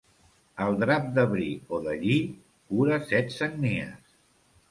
El drap de bri o de lli cura set sagnies.